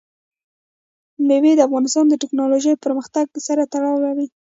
مېوې د افغانستان د تکنالوژۍ پرمختګ سره تړاو لري.